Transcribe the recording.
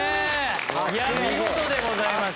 いや見事でございました。